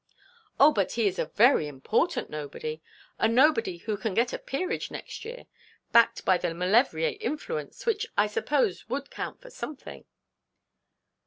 'Oh, but he is a very important nobody, a nobody who can get a peerage next year, backed by the Maulevrier influence, which I suppose would count for something.'